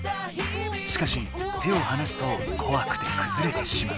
しかし手をはなすとこわくてくずれてしまう。